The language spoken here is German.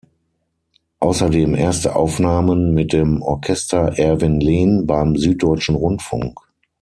Außerdem erste Aufnahmen mit dem Orchester Erwin Lehn beim Süddeutschen Rundfunk.